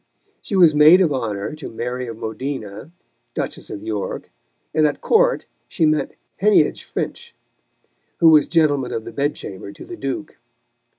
She was maid of honour to Mary of Modena, Duchess of York, and at Court she met Heneage Finch, who was gentleman of the bed chamber to the Duke.